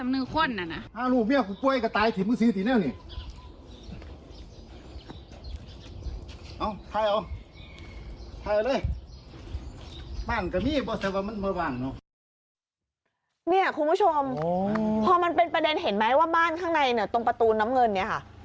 คุณผู้ชมพอมันเป็นประเด็นเห็นไหมว่าบ้านข้างในเนี่ยตรงประตูน้ำเงินเนี่ยค่ะ